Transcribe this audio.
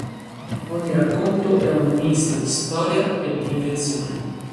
Ogni racconto è un 'misto di storia e di invenzione'.